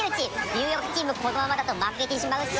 ニューヨークチームこのままだと負けてしまうッチ。